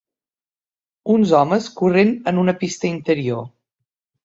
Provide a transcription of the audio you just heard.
Uns homes corrent en una pista interior.